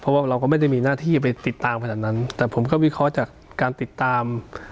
เพราะว่าเราก็ไม่ได้มีหน้าที่ไปติดตามขนาดนั้นแต่ผมก็วิเคราะห์จากการติดตาม